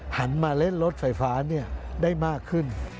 หันมาเล่นรถไฟฟ้าได้มากขึ้น